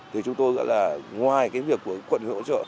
thì chúng tôi gọi là ngoài cái việc của quận hỗ trợ